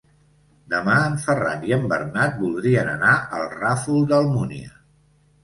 Demà en Ferran i en Bernat voldrien anar al Ràfol d'Almúnia.